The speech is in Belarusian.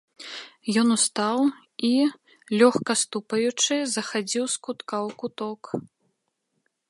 Ён устаў і, лёгка ступаючы, захадзіў з кутка ў куток.